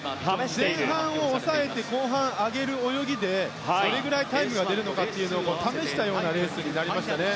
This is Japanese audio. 前半を抑えて後半上げる泳ぎでどれぐらいタイムが出るかを試したようなレースになりましたね。